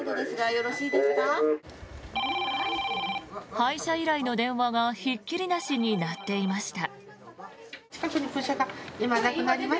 配車依頼の電話がひっきりなしに鳴っていました。